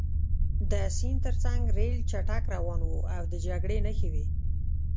د سیند ترڅنګ ریل چټک روان و او د جګړې نښې وې